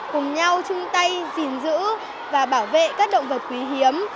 cùng nhau chung tay gìn giữ và bảo vệ các động vật quý hiếm